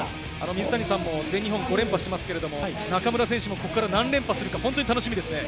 水谷さんも全日本５連覇していますが、中村選手もここから何連覇するか楽しみですね。